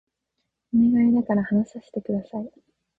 お願いだから話させて下さい